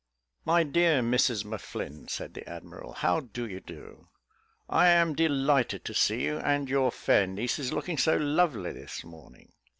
"My dear Mrs M'Flinn," said the admiral, "how do you do? I am delighted to see you and your fair nieces looking so lovely this morning."